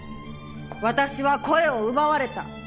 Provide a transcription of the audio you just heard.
「私は声を奪われた」